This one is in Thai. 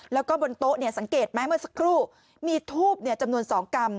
แล้วก็บนโต๊ะเนี่ยสังเกตไหมเมื่อสักครู่มีทูบจำนวน๒กรัม